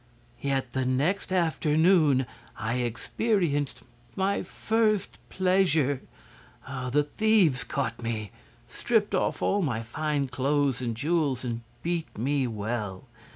"Yet the next afternoon I experienced my first pleasure. The thieves caught me, stripped off all my fine clothes and jewels and beat me well.